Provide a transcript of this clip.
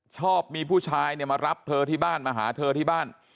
ชอบมีผู้ชายเนี่ยมารับเธอที่บ้านมาหาเธอที่บ้าน